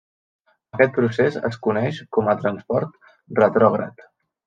Aquest procés es coneix com a transport retrògrad.